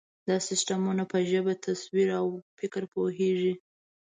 دا سیسټمونه په ژبه، تصویر، او فکر پوهېږي.